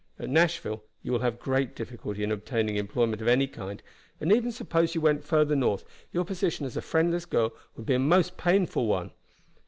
At Nashville you will have great difficulty in obtaining employment of any kind and even suppose you went further north your position as a friendless girl would be a most painful one.